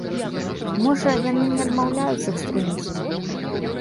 Можа, яны не адмаўляюць экстрэмізм?